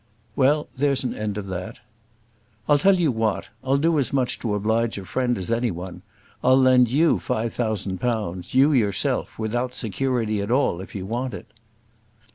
"Well, there's an end of that." "I'll tell you what; I'll do as much to oblige a friend as any one. I'll lend you five thousand pounds, you yourself, without security at all, if you want it."